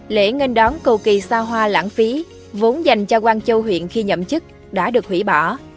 lễ ngân đón cầu kỳ xa hoa lãng phí vốn dành cho quang châu huyện khi nhậm chức đã được hủy bỏ